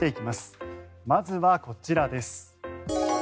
まずはこちらです。